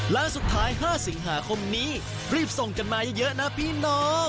คือชนะเข้าไปอยู่นั้น